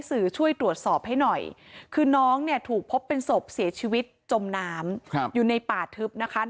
สื่อช่วยตรวจสอบให้หน่อยคือน้องเนี่ยถูกพบเป็นศพเสียชีวิตจมน้ำอยู่ในป่าทึบนะคะ